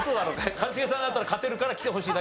一茂さんだったら勝てるから来てほしいだけだろ。